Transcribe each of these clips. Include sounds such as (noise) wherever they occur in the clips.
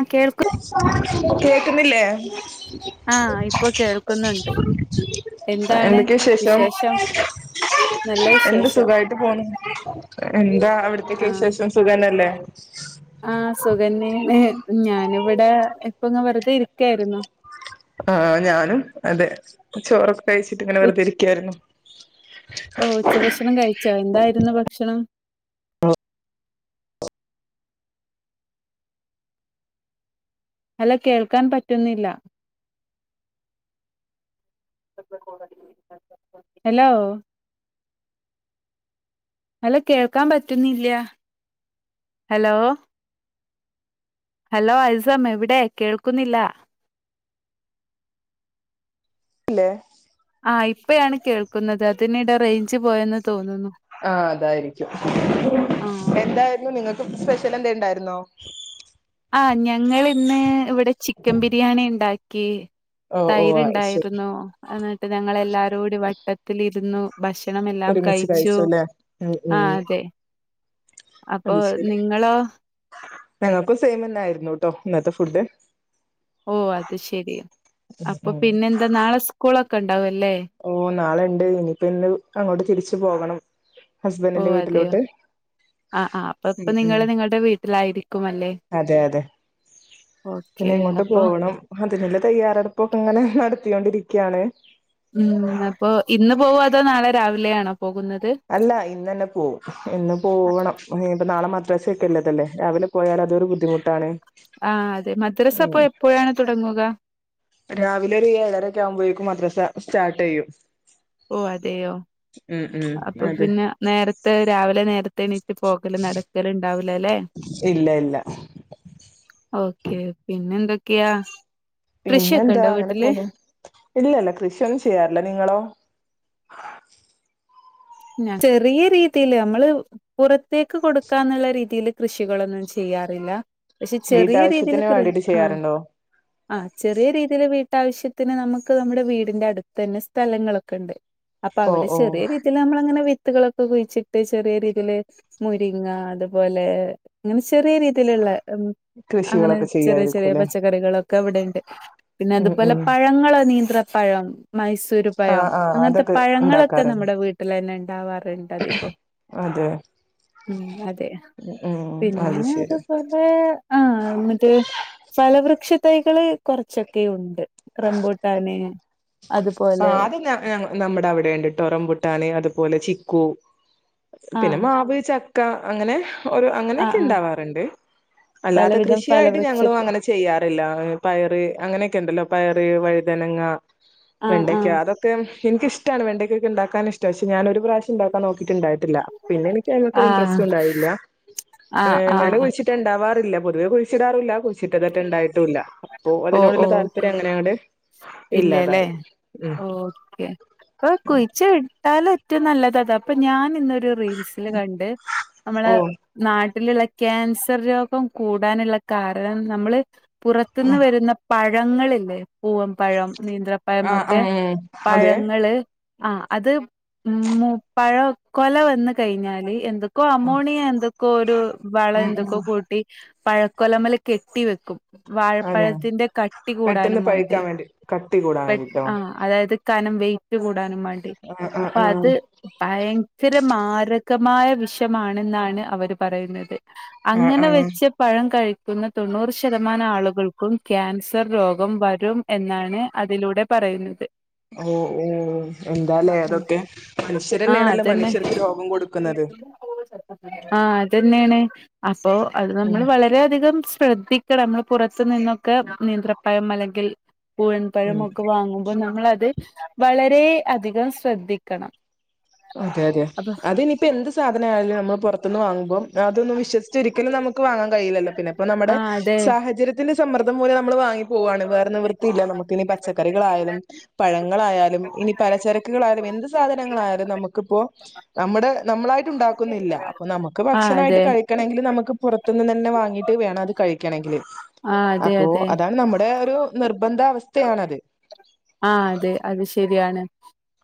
ആ കേൾക്കു കേക്ക്ന്നില്ലേ ആ ഇപ്പൊ കേൾക്കുന്നുണ്ട് എന്തൊക്കെ വിശേഷം നല്ല എന്ത് വിശേഷം സുഖായിട്ട് പോണ് എന്താ ആ അവിടുത്തെയൊക്കെ വിശേഷം സുഖന്നെല്ലേ ആ സുഖന്നേണ് ഞാനിവ്ടെ ഇപ്പൊന്ന് വെറുതെ ഇരിക്കാരുന്നു ആ ഞാനും അതെ ചോറൊ കഴിച്ചിട്ട്ങ്ങനെ ഉ വെർതെ ഇരിക്കെയിരുന്നു ച്ചോ എന്തായിരുന്നു ഭക്ഷണം നല്ല കേൾക്കാൻ പറ്റുന്നില്ല ഹലോ ഹലോ കേൾക്കാൻ പറ്റുന്നില്ല ഹലോ ഹലോ ഹൈസം എവ്ടെ കേൾക്കുന്നില്ല ഇല്ലേ ആ ഇപ്പയാണ് കേൾക്കുന്നത് അതിനിടെ റൈഞ്ച് പോയെന്ന് തോന്നുന്നു ആ അതായിരിക്കും ആ എന്തായിരുന്നു നിങ്ങൾക്ക് സ്പെഷ്യൽന്തേലുംണ്ടായിരുന്നോ ആ ഞങ്ങളി ഇന്ന് ഇവ്ടെ ചിക്കൻ ബിരിയാണി ഇണ്ടാക്കി ഓ ഓ അയ്ശരി തൈര്ണ്ടായിരുന്നു അന്നിട്ട് ഞങ്ങളെല്ലാരൂടി വട്ടത്തിലിര്ന്നു ഭക്ഷണം എല്ലാം ഒരുമിച്ച് കഴിച്ചു കഴിച്ചുല്ലേ ഉം ആ ഉം അതെ അപ്പൊ നിങ്ങളോ ഞങ്ങക്കും സെയിമെന്നായ്രുന്നു ട്ടോ ഇന്നത്തെ ഫുഡ് ഓ അത് ശെരി ഉം അപ്പൊ ഉം പിന്നെന്താ നാളെ സ്കൂളൊക്കെ ഇണ്ടാവുല്ലേ ഓ നാളെണ്ട് ഇനിയിപ്പോ ഇന്ന് അങ്ങോട്ട് തിരിച്ചു പോവണം ഓ ഹസ്ബന്റിന്റെ അതെയോ വീട്ടിലോട്ട് ആ ആ അപ്പ ഉം ഇപ്പൊ ഉം നിങ്ങള് നിങ്ങൾടെ വീട്ടിലായിരിക്കും അല്ലെ അതെ അതെ പിന്നെ എങ്ങോട്ട് അപ്പൊ പോവണം അതിൻള്ള തയ്യാറെടുപ്പൊക്കെങ്ങനെ നടത്തിയോണ്ടിരിക്യാണ് ഉം അപ്പൊ ഇന്ന് പോവോ അതോ നാളെ രാവിലെയാണോ പോകുന്നത് അല്ല ഇന്നന്നെ പോവും ഇന്ന് പോവണം പ്പ ഇനിപ്പം നാളെ മദ്രാസക്കെല്ലതല്ലേ രാവിലെ പോയാൽ അതൊരു ബുദ്ധിമുട്ടാണ് ആ അതെ മദ്രസ ഉം അപ്പോ എപ്പോഴാണ് തുടങ്ങുക രാവിലെ ഒരു ഏഴരക്കെ ആവ്മ്പോഴേക്കും മദ്രാസ സ്റ്റാർട്ടെയ്യും ഓ അതെയോ മ് ഉം അപ്പൊ അതെ പിന്നെ നേരത്തെ രാവിലെ നേരത്തെ എണീറ്റ് പോകൽ നടക്കൽണ്ടാവൂലല്ലേ ഇല്ല ഇല്ല ഓക്കെ പിന്നെന്തൊക്കെയാ കൃഷിയൊക്കെ ഇണ്ടോ വീട്ടില് ഇല്ലില്ല കൃഷിയൊന്നും ചെയ്യാർല്ല നിങ്ങളോ ഞാൻ ചെറിയ രീതിയില് മ്മള് പുറത്തേക്ക് കൊടുക്കാന്ന്ള്ള രീതിൽ കൃഷികളൊന്നും ചെയ്യാറില്ല പക്ഷെ ചെറിയ രീതിൽ വീട്ടാവശ്യത്തിന് കൃ വേണ്ടിട്ട് ആ ചെയ്യാറുണ്ടോ ആ ചെറിയ രീതിൽ വീട്ടാവശ്യത്തിന് നമുക്ക് നമ്മുടെ വീടിന്റെ അടുത്ത തന്നെ സ്ഥലങ്ങളൊക്കെ ഉണ്ട് അപ്പൊ ഓ അവ്ടെ ഓ ചെറിയ രീതിൽ മ്മളങ്ങനെ വിത്തുകളൊക്കെ കുഴിച്ചിട്ട് ചെറിയ രീതിയില് മുരിങ്ങ അത് പോലെ ഇങ്ങനെ ചെറിയ രീതിൽള്ള അങ്ങനെ കൃഷികളൊക്കെ ചെറിയ ചെറിയ ചെയ്യായിരിക്കുംല്ലേ പച്ചക്കറികളൊക്ക ക്കെവ്ടെണ്ട് പിന്നെ ഉം അതുപോലെ ഉം പഴങ്ങൾ നീന്ത്ര പഴം മൈ സ് സൂര് പഴം ആഹ് ആഹ് അങ്ങൻത്തെ അതൊക്കെ പഴങ്ങൾക്കെ ഉണ്ടാക്കാറുണ്ട് നമ്മടെ വീട്ടിൽന്നെ ഇണ്ടാവാർണ്ട് ധികം അതെ ഉം അതെ ഉം പിന്നെ അത് ശരി പോകത്തെ ഹേ ആ മറ്റേ ഫലവൃക്ഷ തൈകള് കൊറച്ചൊക്കെ ഉണ്ട് റംബൂട്ടാൻ ആദ്യം ഞ ഞമ്മടെ അവിടെണ്ട്ടോ റംപൂട്ടാന് അത് പോലെ ചിക്കു പിന്നെ ആഹ് മാവ് ചക്ക അങ്ങനെ ഒരു ആഹ് ആഹ് അങ്ങനെക്കെണ്ടാവാറ്ണ്ട് അല്ലാത്ത പലവിധം കൃഷി ആയിട്ട് ഞങ്ങളും ഫലവൃക്ഷത്ത് അങ്ങനെ ചെയ്യാറില്ല പയറ് അങ്ങനെക്കെണ്ടല്ലോ പയറ്, വഴ്തനങ്ങ ആഹ് വെണ്ടക്ക ആഹ് അതൊക്കെ എനിക്കിഷ്ടാണ് വെണ്ടയ്ക്കൊക്കെ ണ്ടാക്കാനിഷ്ട ക്ഷെ ഞാനൊരു പ്രാവശ്യണ്ടാക്കാൻ നോക്കിട്ട്ണ്ടായിട്ടില്ല. പിന്നെ നിക്കയ്മക്കൊരു ഇൻട്രസ്റ്റു ണ്ടായില്ല ആഹ് (unintelligible) ആഹ് ഞാന് ആഹ് കുഴ്ച്ചി ട്ടാണ്ടാവാറില്ല പൊതുവെ കുഴിച്ചിടാറുല്ല. ച്ച്ട്ടതെറ്റെണ്ടായിട്ടൂല്ല അപ്പൊ ഓ ഓ അതിനോട്ള്ള താല്പര്യങ്ങനങ്ങട്‌ ഇല്ലല്ലേ ഇല്ലാതായി. ഉം ഓക്കെ പ്പൊ കുഴിച്ച്ട്ടാലെറ്റുംനല്ലതതാ അപ്പൊ ഞാനിന്നൊരു റീൽസ് ഇന്ന് കണ്ട് അമ്മളേ ഓഹ് നാട്ടില്ള്ള ക്യാൻസർ രോഗം കൂടാന്ള്ള കാരണം നമ്മള് പുറത്ത്ന്ന് വെര്ന്ന പഴങ്ങളില്ലേ പൂവംപഴം, ആഹ് നീന്ത്രപ്പഴംന്നൊക്കെ ആഹ് അതെ പഴങ്ങള് ആഹ് അത് മു പഴൊ കൊലവന്ന് കഴിഞ്ഞാല് എന്തൊ ക്കൊ അമോണിയ എന്തൊക്കോരു വളം ഉം ഉം എന്തൊക്കോ കൂട്ടി പഴക്കൊലമല് കെട്ടി വെക്കും. അതെ വാഴപ്പഴത്തിന്റെ കട്ടി പെട്ടെന്ന് കൂടാനുംമാണ്ടി പഴിക്കാൻ വേണ്ടി കട്ടി കൂടാൻ പെ വേണ്ടിട്ടോ ആഹ് അതായത് കനം വെയ്റ്റ് കൂടാനും മാണ്ടി ആഹ് ആഹ് ആഹ് അപ്പാത് ഭയങ്കര മാരകമായ വിഷമാണെന്നാണ് അവര്പറയുന്നത്. ആഹ് ആഹ് അങ്ങനെവെച്ച പഴം കഴി ക്ക്ന്ന തൊണ്ണൂറ് ശതമാനാള്കൾക്കും ക്യാൻസർ രോഗം വരും എന്നാണ് അതിലൂടെ പറയുന്നത്. ഓഹ് ഓഹ് എന്താലേ ഉം അതൊക്കെ. ആഹ് മനുഷ്യരെന്നെണല്ലോ അതന്നെ മനുഷ്യർക്ക് രോഗം കൊട്ക്കുന്നത്. ആഹ് അതെന്നെണ് അപ്പൊ അത് ഉം നമ്മള് വളരെയധികം ശ്രദ്ധിക്കണംമ്മള് പുറത്തു നിന്നൊക്കെ നീന്ത്രപഴം അല്ലെങ്കിൽ പൂഴൻ ഉം പഴമൊക്കെ വാങ്ങുമ്പോ നമ്മളത് വളരേ അധികം ശ്രദ്ധിക്കണം. അതെ യതെ അപ്പൊ അത് നിപ്പോ എന്ത് സാധനായാലും നമ്മൾ പൊറത്ത്ന്ന് വാങ്ങുമ്പം അതൊന്നും വിശ്വസിച്ചൊരിക്കലും നമ്മ ക്ക് വാങ്ങാൻ കയ്യൂല്ലല്ലൊ പിന്നെ പ്പൊ നമ്മടെ ആഹ് അതെ സാഹചര്യത്തിന്റെ സമ്മർദ്ധം മൂലം നമ്മള് വാങ്ങി പോവാണ് വേറെ നിവൃത്തിയില്ല നമ്മക്ക് ഇനി പച്ചക്കറികളായലും പഴങ്ങളായാലും ഇനി പലചരക്ക്‌കളായാലും എന്ത് സാധനങ്ങളായാ ത് നമക്ക്പ്പോ നമ്മടെനമ്മളായിട്ടുണ്ടാകുന്നില്ല അപ്പ നമ്മക്ക് ആഹ് ഭക്ഷണായിട്ട് അതെ കഴി കണെങ്കില് നമ്മക്ക് പൊറത്ത്ന്ന് തന്നെ വാങ്ങീട്ട് വേണം അത് കഴിക്കണങ്കില് ആഹ് അതെ അപ്പോ അതെ അതാണ് നമ്മടെ ഒരു നിർബന്ധാവസ്ഥയാണത്. ആഹ് അതെ അത് ശെരിയാണ്.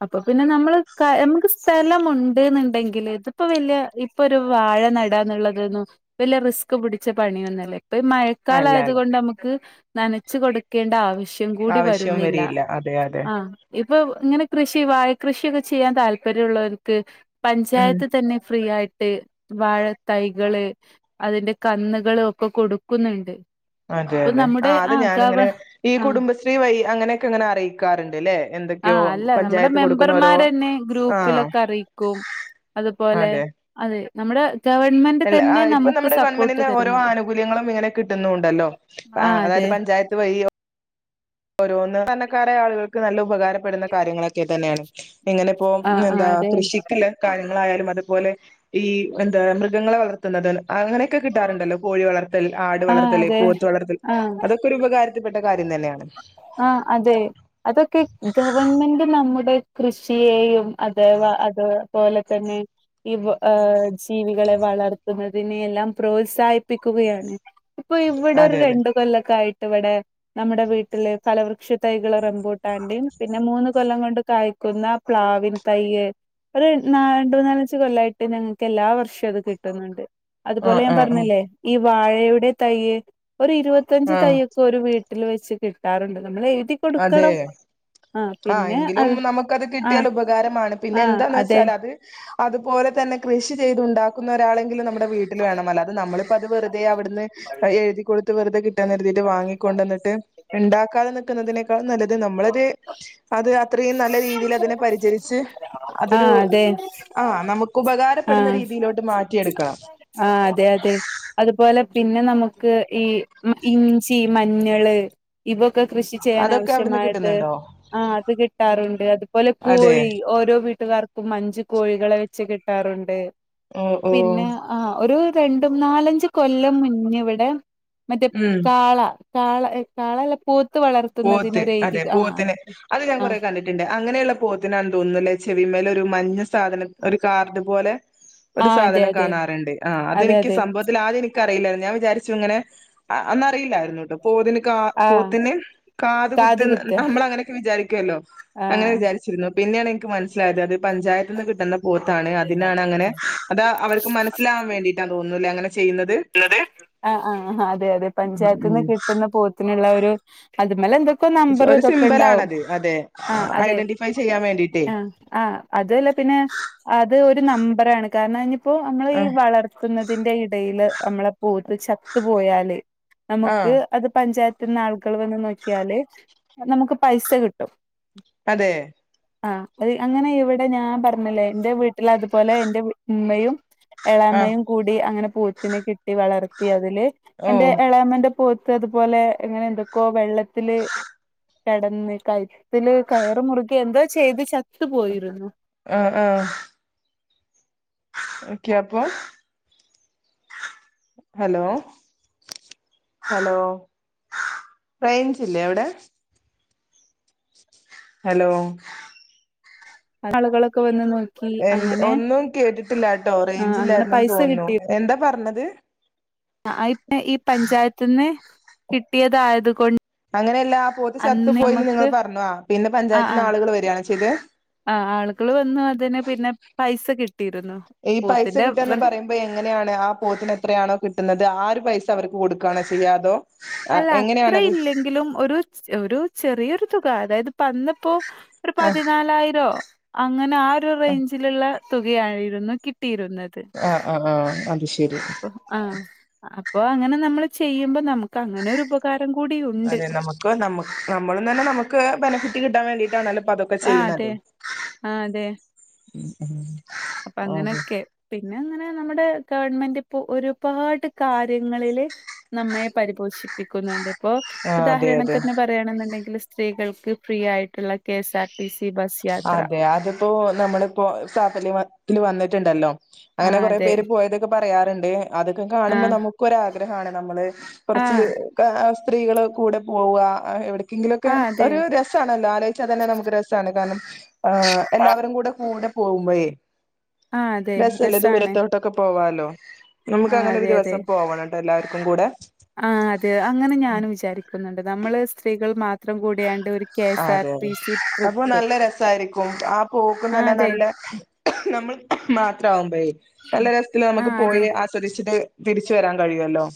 അപ്പൊപിന്നെ നമ്മള് ക്ക നമക്ക് സ്ഥലമുണ്ട്ന്ണ്ടെങ്കില് ഇതിപ്പോ വെല്ല്യേ ഇ പ്പൊരു വാഴ നടാന്ന്ള്ളതൊന്നും വല്യേ റിസ്ക് പുടിച്ച പണിയൊന്നല്ല ഇപ്പ ഈ മഴ അല്ല അല്ല കാലായത്കൊണ്ടമ്മക്ക് നനച്ച് കൊട്ക്കേണ്ട ആവശ്യം കൂടി വരുന്നില്ല. തെ അതെ ആഹ് ഇപ്പൊ ഇങ്ങനെ കൃഷി വാഴ കൃഷ്യൊക്കെ ചെയ്യാൻ താല്പര്യള്ളോര്ക്ക് ഉം പഞ്ചായത്ത് തന്നെ ഫ്രീയായിട്ട് വാഴ തൈകള് അതിന്റെ കന്ന്കളൊക്കെ കൊടുക്കുന്ണ്ട്. അതെ യതെ ആഹ് അത് ഞാന് ങ്ങനെ ഈ ആഹ് കുടുംബശ്രീ വഴി അങ്ങനെക്കെങ്ങനെ അറിയിക്കാറ്ണ്ട്ലേ. ആഹ് അല്ല നമ്മടെ മെമ്പർമാരെന്നെ ആ ഗ്രൂപ്പിലൊക്കറിയിക്കും. അത്പോലെ അതെ നമ്മടെ ഗവൺമെൻ അല്ല ആഹ് ഇപ്പോ നമ്മടെ ഗവൺമെന്റിൻ്റെ ഓരോ ആനുകൂല്യങ്ങളും ഇങ്ങനെ കിട്ടുന്നുണ്ടല്ലോ. ആ ആഹ് അതെ അതായത് പഞ്ചായത്ത് വഴിയോ ഓരോന്ന്ധണ്ണക്കാരായ ആള്കൾക്ക് നല്ല ഉപകാരപ്പെടുന്ന കാര്യങ്ങളൊക്കെ തന്നെയാണ് ഇങ്ങനെ ഇപ്പോ ആഹ് ആഹ് എന്താ അതെ കൃഷിക്ക്‌ള്ള കാര്യങ്ങളായാലും അത്പോലെ ഈ എന്താ മൃഗങ്ങളെ വളർത്തുല്ലോതാലുംഅങ്ങനെക്കെ കിട്ടാറുണ്ടല്ലോ കോഴിവളർ ത്തൽ ആട് ആഹ് അതെ വളർത്തല്പോത്ത് വളർത്തല് ആഹ് അതൊക്കെ ഒരു ഉപകാരത്തിൽപ്പെട്ടകാര്യം തന്നെയാണ് ആ അതെ അതൊക്കെ ഗവൺമെന്റ് നമ്മുടെ കൃഷിയേയും അതേവാഅത്പോലെതന്നെ ഇവ് ആജീവികളെ വളർത്തുന്നതിനെ എല്ലാം പ്രോത്സാഹിപ്പിക്കുകയാണ് പ്പൊ ഇവ്ടെ ഒരു അതെ അതെ രണ്ട്കൊല്ലക്കായിട്ട് ഇവടെ നമ്മടെവീട്ടി ഫലവൃക്ഷ തൈകള് റമ്പൂട്ടാന്റിം പിന്നെ മൂന്ന് കൊല്ലം കൊണ്ട് കായ്ക്കുന്ന പ്ലാവിൻ തൈയും ഒരു രണ്ട് മൂന്നാലഞ്ച് കൊല്ലായിട്ട് ഞങ്ങൾക്ക് എല്ലാ വർഷവും അത് കിട്ടുന്നുണ്ട് ആ അതുപോലെ ഞാൻ ആ ആ പറഞ്ഞില്ലേ ഈ വാഴയുടെ തൈയ്യ് ഒരു ഇരുപത്തഞ്ച് ആ തൈയ്യ് ഒരു വീട്ടിൽ വെച്ച് കിട്ടാറുണ്ട് നമ്മൾ എഴുതി അതെ കൊടുക്കണം ആ പിന്നെ എങ്കിലും അത് നമുക്കത് ആ കിട്ടിയാൽ ഉപകാരമാണ് പിന്നെ ആ എന്താന്ന് അതെ വെച്ചാൽ അത് അതുപോലെ തന്നെ കൃഷി ചെയ്തുണ്ടാക്കുന്ന ഒരാള് നമ്മളെ വീട്ടിൽ വേണം അല്ലാതെ നമ്മളിപ്പോ അത് വെറുതെ അവിടുന്ന് എഴുതിക്കൊടുത്ത് വെറുതെ കിട്ടാന്ന് കരുതിയിട്ട് വാങ്ങിക്കൊണ്ടന്നിട്ട് ഉണ്ടാക്കാതെ ഇരിക്കുന്നതിനേക്കാൾ നല്ലത് നമ്മളത് അത് അത്രയും നല്ല രീതിൽ അതിനെ പരിചരിച്ച് ആ അതൊരു അതെ ആ നമുക്ക് ആ ഉപകാരപ്പെടുന്ന രീതിയിലോട്ട് മാറ്റിയെടുക്കണം ആ അതെ അതെ അതുപോലെ പിന്നെ നമുക്ക് ഈ ഇഞ്ചി മഞ്ഞള് ഇതൊക്കെ കൃഷി ചെയ്യാൻ അതൊക്കെ അവിടുന്ന് ആവശ്യമായത് കിട്ടുന്നുണ്ടോ ആ അത് കിട്ടാറുണ്ട് അതുപോലെ അതെ കോഴി ഓരോ വീട്ടുകാർക്കും മഞ്ച് കോഴികളെ വെച്ച് കിട്ടാറുണ്ട് ഓ ഓ പിന്നെ ആ ഒരു രണ്ടും നാലഞ്ച് കൊല്ലം മുമ്പ് ഇവിടെ മറ്റേ ഉം കാള കാള കാളല്ല പോത്ത് പോത്ത് വളർത്തുന്നതിനൊരെഴുതി അതെ ആ പോത്തിന് അത് ഞാൻ ആ കൊറെ അങ്ങനെയുള്ള പോത്തിനാണ് തോന്നുന്നലേ ചെവിമേൽ ഒരു മഞ്ഞ സാധനം ഒരു കാർഡ് പോലെ ആ ഒരു അതെ സാധനം അതെ കാണാറുണ്ട് ആ അതെ അതെനിക്ക് അതെ സംഭവത്തിൽ ആദ്യം എനിക്ക് എനിക്കറിയില്ലായിരുന്നു ഞാൻ വിചാരിച്ചു ഇങ്ങനെ അന്നറിയില്ലായിരുന്നു കേട്ടോ പോത്തിന് കാ ആ പോത്തിന് കാത് കുത്തി നമ്മൾ അങ്ങനെയൊക്കെ വിചാരിക്കല്ലോ ആ അങ്ങനെ വിചാ വിചാരിച്ചിരുന്നു പിന്നെയാണ് എനിക്ക് മനസ്സിലായത് അത് പഞ്ചായത്ത് നിന്ന് കിട്ടുന്ന പോത്താണ് അതിനാണ് അങ്ങനെ അത് അവർക്ക് മനസ്സിലാവാൻ വേണ്ടിയിട്ടാ തോന്നുന്നല്ലേ അങ്ങനെ ചെയ്യുന്നത് ആ ആ അതെ അതെ ഉം പഞ്ചായത്ത് നിന്ന് ഉം കിട്ടുന്ന പോത്തിനുള്ള ഒരു അത് മലെന്തൊക്കെ നമ്പറും ഒരു ഇതൊക്കെ ഉണ്ടാവും സിമ്പലാണത് അതെ ആ അതെ ഐഡന്റിഫൈ ചെയ്യാൻ വേണ്ടിട്ടേ ആ ആ അതും അല്ല പിന്നെ അത് ഒരു നമ്പറാണ് കാരണം അതിഞ്ഞിപ്പോ നമ്മൾ ഈ ആഹ് വളർ പിന്നതിന്റെ ഇടയില് നമ്മളെ പോത്ത് ചത്ത് പോയാല് നമുക്ക് ആഹ് അത് പഞ്ചായത്തിന്ന് ആളുകൾ വന്ന് നോക്കിയാല് നമുക്ക് പൈസ കിട്ടും അതെ ആ അത് അങ്ങനെ ഇവിടെ ഞാൻ പറഞ്ഞില്ലേ എന്റെ വീട്ടിൽ അതുപോലെ എന്റെ ഉമ്മയും ആഹ് എളാമയും കൂടി അങ്ങനെ പോത്തിനെ കിട്ടി വളർത്തി അതില് ഓ എന്റെ എളാമന്റെ പോത്ത് അതുപോലെ അങ്ങനെ എന്തൊക്കോ വെള്ളത്തില് കിടന്ന് കയുത്തില് കയറ് മുറുകി എന്തോ ചെയ്ത് ചത്ത് പോയിരുന്നു ആ ആ ഓക്കെ അപ്പൊ ഹലോ ഹലോ റേഞ്ച്ല്ലേ അവിടെ ഹലോ ആളുകളൊക്കെ വന്ന് നോ എ ഒന്നും കേട്ടിട്ടില്ലട്ടോ ആഹ് അങ്ങനെ റേഞ്ചില്ലായിരുന്നൂന്ന് പൈസ തോന്നുന്നു എന്താ പറഞ്ഞത് ആ ഇപ്പ ഈ പഞ്ചായത്തിന്ന് കിട്ടിയതായത് കൊണ്ട് അങ്ങനെയല്ലാ ആ പോത്ത് ചത്ത് അന്ന് പോ യീന്ന് നിങ്ങൾ നമുക്ക് പറഞ്ഞോ പിന്നെ പഞ്ചായത്തിന്ന് ആളുകൾ വരികയണോ ചെയ്ത് ആ ആളുകൾ വന്നു അതിന് പിന്നെ പൈസ കിട്ടിയിരുന്നു ഈ പൈസ പോത്തിന്റെ കിട്ടുക എന്ന് വൃ പറയുമ്പൊ പ്പൊ എങ്ങനെയാണ് ആ പോത്തിന് എത്രയാണോ കിട്ടുന്നത് ആ ഒരു പൈസ അവർക്ക് കൊടുക്കുകയാണോ ചെയ്യാ അതോ അല്ല അത്ര എങ്ങനെയാണത് ഇല്ലെങ്കിലും ഒരു ഒരു ചെറിയൊരു തുക അതായത് അന്ന്പ്പോ ഒരു ആഹ് പതിനാലായിരോ അങ്ങനെ ആ ഒരു റേഞ്ചിലുള്ള തുകയായിരുന്നു കിട്ടിയിരുന്നത് ആ ആ ആ അത് ശരി അപ്പൊ ആ അപ്പൊ അങ്ങനെ നമ്മൾ ചെയ്യുമ്പോ നമുക്ക് അങ്ങനെ ഒരുപകാരം കാരം കൂടി ഉണ്ട് ഇപ്പ നമ്മക്ക് നമ്മളും തന്നെ നമുക്ക് ബെനിഫിറ്റ് കിട്ടാൻ വേണ്ടിട്ടാണല്ലോ ഇപ്പതൊ ക്കൊ ആഹ് ചെയ്യുന്നത് അതെ ആഹ് അപ്പ അതെ അങ്ങനെയൊക്കെ പിന്നെ അങ്ങനെ നമ്മുടെ ഗവൺമെന്റ് ഇപ്പോ ഒരുപാട് കാര്യങ്ങളില് നമ്മയെ പരിപോഷിപ്പിക്കുന്നുണ്ട് ഇപ്പോ ആ അതെ അതെ ഉദാഹരണത്തിന് പറയാണെന്നുണ്ടെങ്കിൽ സ്ത്രീകൾക്ക് ഫ്രീയായിട്ടുള്ള K S R T C bus യാത്ര അതെ അതിപ്പോ നമ്മളിപ്പോ സാഫല്യ (unintelligible) വന്നിട്ടുണ്ടല്ലോ ആ അങ്ങനെ കുറെ അതെ പേര് പോയതൊക്കെ പറയാറുണ്ട് അതൊക്കെ ആ കാണുമ്പോ നമുക്കൊരാഗ്രഹമാണ് നമ്മള് ആ കുറച്ചികെ സ്ത്രീകള് കൂടെ പോവ എവിടെ എന്തെങ്കിലൊക്കെ ആ അതെ ഒരു രസാണല്ലോ ആലോയിച്ചാൽ തന്നെ നമുക്ക് രസമാണ് കാരണം എല്ലാവരും കൂടെ കൂടെ പോകുമ്പോഴെ ആ അതെ രസല്ലേ രസാണ് ദൂരത്തോട്ടൊക്കെ പോവാലോ ആ നമുക്ക് അങ്ങനെ ഒരു അതെ ദിവസം പോവണട്ടോ എല്ലാവർക്കും കൂടെ ആഹ് അത് അങ്ങനെ ഞാനും വിചാരിക്കുന്നുണ്ട് നമ്മള് സ്ത്രീകൾ മാ അതെ അതെ അപ്പൊ ട്രിപ്പ് നല്ല രസായിരിക്കും ആഹ് പോക്കുന്ന ആ തന്നെ അതെ നല്ല നമ്മൾ മാത്രമാകുമ്പോഴെ നല്ല ഉം. രസത്തിൽ ആ നമുക്ക് അതെ പോയിആസ്വാ (unintelligible) തിരിച്ചു വരാൻ കഴിയല്ലോ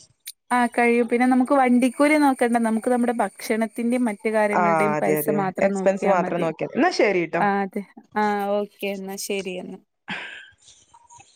ആഹ് കഴിയും പിന്നെ നമുക്ക് വണ്ടിക്കൂലി നോക്കണ്ട നമുക്ക് നമ്മുടെ ഭക്ഷണത്തിന്റെയും മ റ്റ് ആ കാര്യങ്ങളുടെയും അതെ പൈസ അതെ മാത്രം എക്സ്പെൻസ് നോക്കിയാൽ മാത്രം മതി നോക്കിയാ എന്നാ ശരിട്ടോ ആഹ് അതെ ആഹ് ഓക്കെ എന്നാൽ ശരി എന്നാൽ (inaudible)